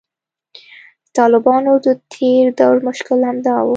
د طالبانو د تیر دور مشکل همدا و